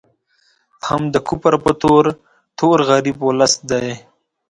هم د کفر په تور، تور غریب ولس دی